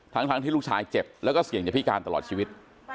ทั้งที่ลูกชายเจ็บแล้วก็เสี่ยงจะพิการตลอดชีวิต